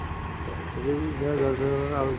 Teresa গণযোগাযোগ মাধ্যমে আলোচিত ছিলেন।